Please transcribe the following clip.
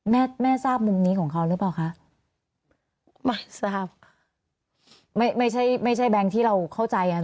แม่แม่ทราบมุมนี้ของเขาหรือเปล่าคะไม่ทราบไม่ไม่ใช่ไม่ใช่แบงค์ที่เราเข้าใจอ่ะ